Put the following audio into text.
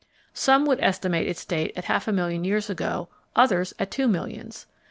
Some would estimate its date at half a million years ago, others at two millions!